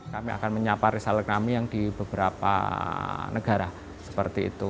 kami akan menyapa risal kami yang di beberapa negara seperti itu